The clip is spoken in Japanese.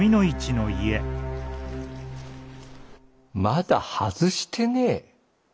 まだ外してねえ？